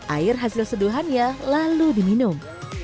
air hasil seduhannya lalu diminum